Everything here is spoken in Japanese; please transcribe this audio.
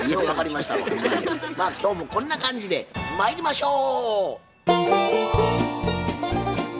まあ今日もこんな感じでまいりましょう！